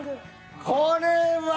これは。